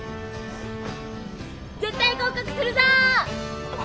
絶対合格するぞ！